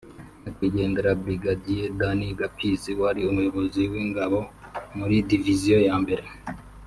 nyakwigendera Brigadier Dan Gapfizi wari umuyobozi w’ Ingabo muri divisiyo ya mbere